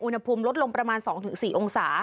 อุณหภูมิลดลงประมาณ๒๔องศา